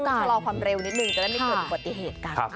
ต้องกำลังจะรอความเร็วนิดหนึ่งก็จะได้ไม่เกิดปกติเหตุกัน